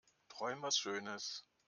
Träum was schönes.